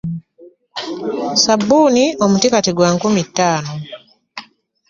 Sssabuuni kati omuti gwa nkumi ttaano .